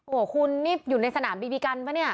โอ้โหคุณนี่อยู่ในสนามบีบีกันป่ะเนี่ย